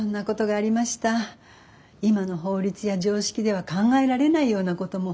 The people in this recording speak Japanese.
今の法律や常識では考えられないようなことも。